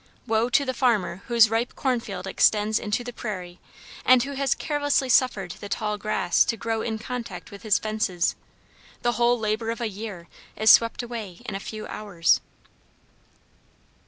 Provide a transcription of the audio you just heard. Woe to the farmer whose ripe corn field extends into the prairie, and who has carelessly suffered the tall grass to grow in contact with his fences; the whole labor of a year is swept away in a few hours.